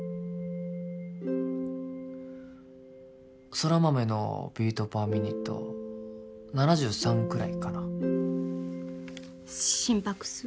空豆のビート・パー・ミニット７３くらいかな心拍数？